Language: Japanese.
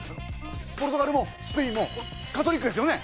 ポルトガルもスペインもカトリックですよね！